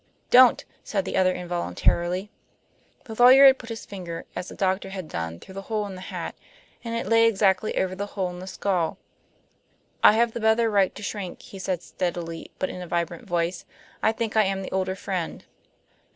"Don't!" said the other involuntarily. The lawyer had put his finger, as the doctor had done, through the hole in the hat, and it lay exactly over the hole in the skull. "I have the better right to shrink," he said steadily, but in a vibrant voice. "I think I am the older friend."